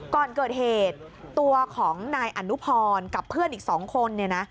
ก่อนเกิดเหตุตัวของนายอนุพรกับเพื่อนอีก๒คน